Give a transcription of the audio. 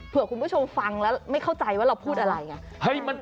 คุณผู้ชมฟังแล้วไม่เข้าใจว่าเราพูดอะไรไง